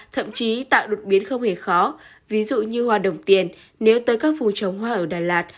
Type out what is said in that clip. thậm chí tạo đột biến không hề khó ví dụ như hoa đồng tiền nếu tới các phù trồng hoa ở đà lạt